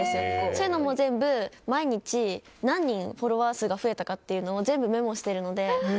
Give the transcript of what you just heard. そういうのも全部、毎日、何人フォロワー数が増えたのか全部メモしてるので。